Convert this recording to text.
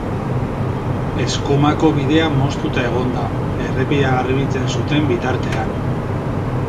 Eskumako bidea moztuta egon da, errepidea garbitzen zuten bitartean.